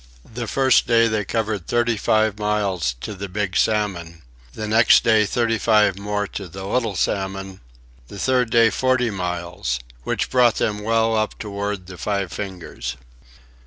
The first day they covered thirty five miles to the Big Salmon; the next day thirty five more to the Little Salmon; the third day forty miles, which brought them well up toward the Five Fingers.